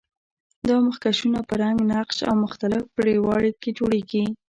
دا مخکشونه په رنګ، نقش او مختلف پرېړوالي کې جوړیږي.